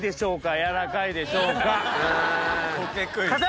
柔らかいでしょうか？